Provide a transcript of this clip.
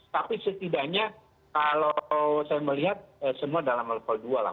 tapi setidaknya kalau saya melihat semua dalam level dua lah